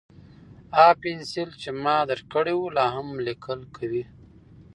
هغه پنسل چې ما درکړی و، لا هم لیکل کوي؟